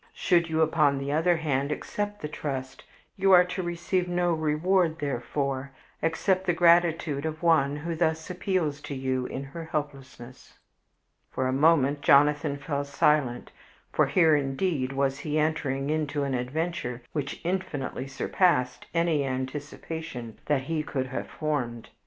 Should you, upon the other hand, accept the trust, you are to receive no reward therefor, except the gratitude of one who thus appeals to you in her helplessness." For a few moments Jonathan fell silent, for here, indeed, was he entering into an adventure which infinitely surpassed any anticipation that he could have formed.